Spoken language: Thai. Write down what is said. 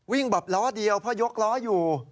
วิ่งแบบล้อเดียวเพราะยกล้ออยู่